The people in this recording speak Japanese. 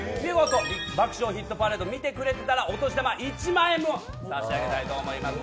「爆笑ヒットパレード」を見てくれていたらお年玉１万円分差し上げたいと思います。